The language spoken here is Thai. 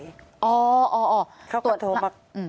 อ๋อตรวจร่างกายคุณหมอโทรมา